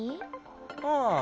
ああ。